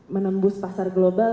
menembus pasar global